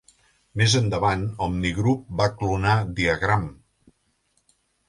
Més endavant, OmniGroup va clonar Diagram!